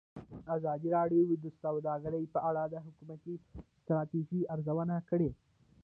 ازادي راډیو د سوداګري په اړه د حکومتي ستراتیژۍ ارزونه کړې.